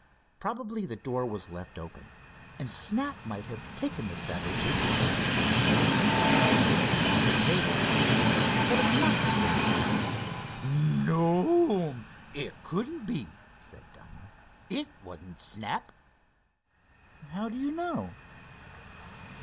Probably the door was left open, and Snap might have taken the sandwiches, though I never knew him to take anything off the table. But it must have been Snap." "No'm, it couldn't be," said Dinah. "It wasn't Snap." "How do you know?"